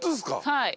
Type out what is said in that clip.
はい。